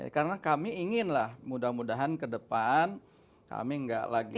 karena kami inginlah mudah mudahan ke depan kami nggak lagi